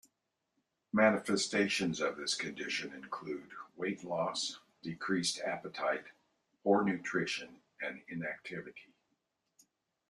Manifestations of this condition include weight loss, decreased appetite, poor nutrition, and inactivity.